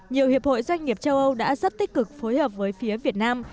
nhiều hiệp hội doanh nghiệp châu âu đã rất tích cực phối hợp với phía việt nam